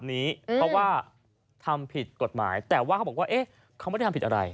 เพราะว่าทำผิดกฎหมายแต่ว่าเขาบอกว่าเขาไม่ได้ทำผิดอะไร